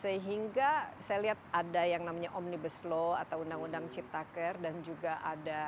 sehingga saya lihat ada yang namanya omnibus law atau undang undang ciptaker dan juga ada